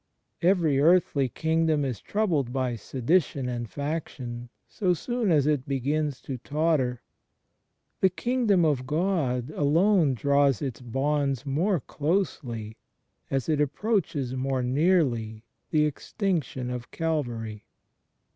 Every earthly kingdom is troubled by sedition and fac tion so soon as it begins to totter: the Kingdom of God alone draws its bonds more closely as it approaches more nearly the extinction of Calvary.